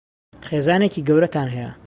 خێزانێکی گەورەتان هەیە؟